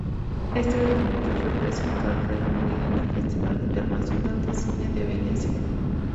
Este documental representó al Reino Unido en el Festival Internacional de Cine de Venecia.